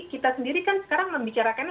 kita sendiri kan sekarang membicarakannya